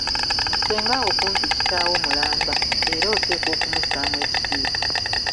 "Ssengawo kumpi kitaawo mulamba, era oteekwa okumussaamu ekitiibwa."